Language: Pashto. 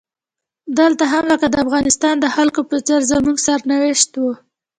دلته هم لکه د افغانستان د خلکو په څیر زموږ سرنوشت و.